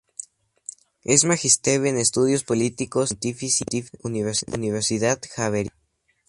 Es magister en Estudios Políticos en la Pontificia Universidad Javeriana.